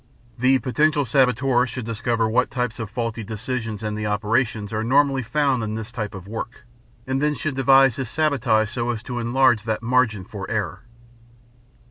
The potential saboteur should discover what types of faulty decisions and the operations are normally found in this kind of work and should then devise his sabotage so as to enlarge that "margin for error."